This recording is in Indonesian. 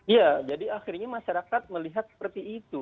ya jadi akhirnya masyarakat melihat seperti itu